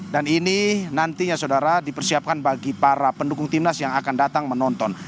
dan ini nantinya saudara dipersiapkan bagi para pendukung tim nas yang akan datang menonton